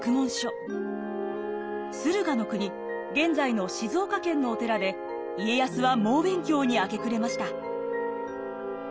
駿河国現在の静岡県のお寺で家康は猛勉強に明け暮れました。